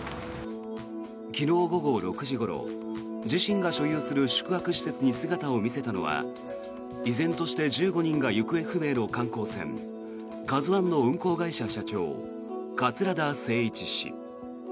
昨日午後６時ごろ自身が所有する宿泊施設に姿を見せたのは、依然として１５人が行方不明の観光船「ＫＡＺＵ１」の運航会社社長桂田精一氏。